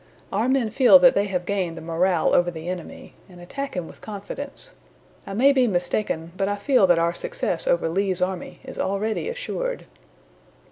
Our men feel that they have gained the morale over the enemy, and attack him with confidence. I may be mistaken, but I feel that our success over Lee's army is already assured."